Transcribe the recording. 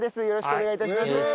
よろしくお願いします。